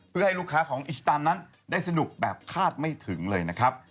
เพื่อให้ลูกค้าของอิสตานนั้นได้สนุกแบบคาดไม่ถึงเลยนะครับ